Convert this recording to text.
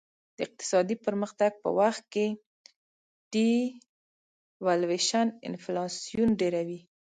د اقتصادي پرمختګ په وخت devaluation انفلاسیون ډېروي.